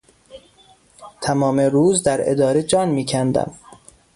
تمام روز در اداره جان میکندم.